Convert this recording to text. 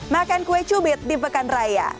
makan kue cubit di pekan raya